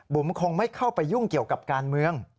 คงไม่เข้าไปยุ่งเกี่ยวกับการเมือง